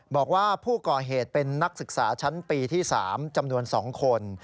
บอกว่าผู้ก่อเหตุเป็นนักศึกษาชั้นปีที่๓จำนวน๒คน